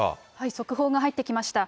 速報が入ってきました。